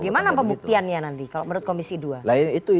gimana pembuktiannya nanti kalau menurut komisi dua